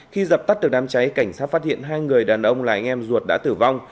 khi dập tắt được đám cháy cảnh sát phát hiện hai người đàn ông là anh em ruột đã tử vong